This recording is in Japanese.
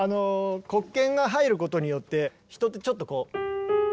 黒鍵が入ることによって人ってちょっとこう。